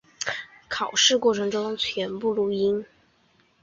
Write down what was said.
考试过程中全程录音。